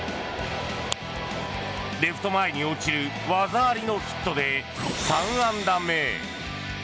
レフト前に落ちる技ありのヒットで３安打目。